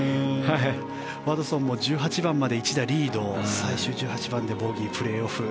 ワトソンも１８番まで１打リード最終１８番でプレーオフ